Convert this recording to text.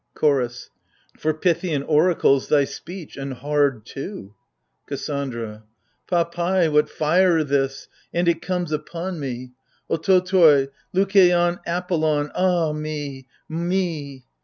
CHOROS. For Puthian oracles, thy speech, and hard too ! KASSANDRA. Papai : what fire this ! and it comes upon me ! Ototoi, Lukeion Apollon, ah me — me